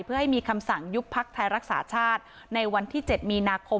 เพื่อให้มีคำสั่งยุบพักไทยรักษาชาติในวันที่๗มีนาคม